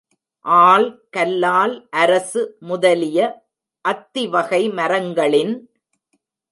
all, கல்லால், அரசு முதலிய அத்திவகை மரங்களின்